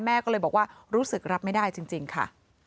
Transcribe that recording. แม่ก็เลยบอกว่ารู้สึกรับไม่ได้จริงค่ะ